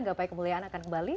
gapai kemuliaan akan kembali